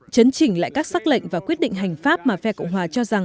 chấn chỉnh lại các xác lệnh và quyết định hành pháp mà phe cộng hòa cho rằng